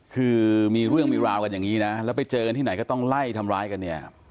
คือมีเรื่องมีราวกันอย่างนี้นะแล้วไปเจอกันที่ไหนก็ต้องไล่ทำร้ายกันเนี่ย